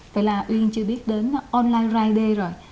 vậy là uyên chưa biết đến online friday rồi